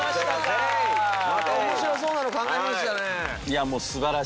また面白そうなの考えましたね。